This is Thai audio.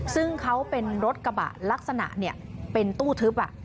ซึ่งเขาเป็นรถกระบะลักษณะเป็นตู้ทึบ